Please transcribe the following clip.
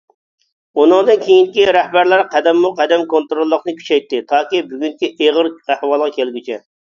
ئۇنىڭدىن كېيىنكى رەھبەرلەر قەدەممۇ قەدەم كونتروللۇقنى كۈچەيتتى، تاكى بۈگۈنكى ئېغىر ئەھۋالغا كەلگۈچە.